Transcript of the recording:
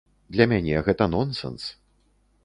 Для мяне гэта нонсэнс.